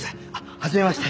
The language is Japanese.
はじめまして。